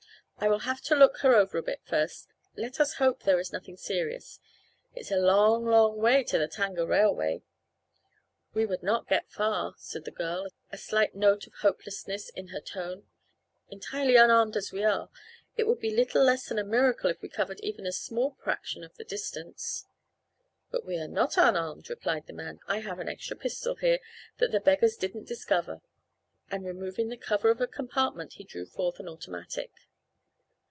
I will have to look her over a bit first. Let us hope there is nothing serious. It's a long, long way to the Tanga railway." "We would not get far," said the girl, a slight note of hopelessness in her tone. "Entirely unarmed as we are, it would be little less than a miracle if we covered even a small fraction of the distance." "But we are not unarmed," replied the man. "I have an extra pistol here, that the beggars didn't discover," and, removing the cover of a compartment, he drew forth an automatic.